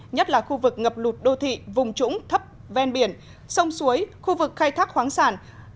nhất là khu vực ngập lụt đô thị vùng trũng thấp ven biển sông suối khu vực khai thác khoáng sản